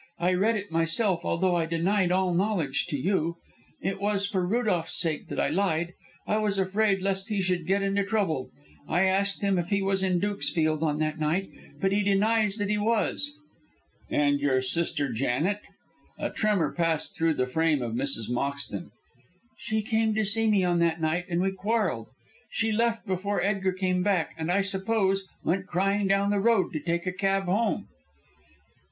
I read it myself, although I denied all knowledge to you. It was for Rudolph's sake that I lied. I was afraid lest he should get into trouble. I asked him if he was in Dukesfield on that night, but he denies that he was." "And your sister Janet?" A tremor passed through the frame of Mrs. Moxton. "She came to see me on that night, and we quarrelled; she left before Edgar came back, and, I suppose, went crying down the road to take a cab home."